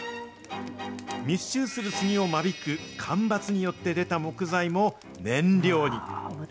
密集する杉を間引く間伐によって出た木材も、燃料に。